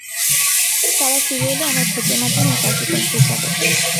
তারা ফিরে এলে আমার ভোটের মাধ্যমে এই কার্যক্রম শেষ হবে।